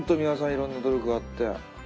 いろんな努力があって。